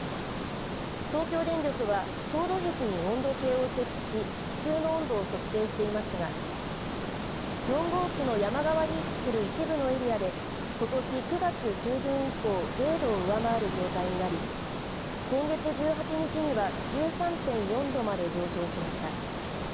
東京電力は凍土壁に温度計を設置し地中の温度を測定していますが４号機の山側に位置する一部のエリアでことし９月中旬以降０度を上回る状態になり今月１８日には１３．４度まで上昇しました。